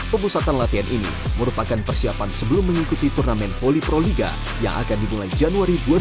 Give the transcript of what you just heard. pemusatan latihan ini merupakan persiapan sebelum mengikuti turnamen voli proliga yang akan dimulai januari dua ribu dua puluh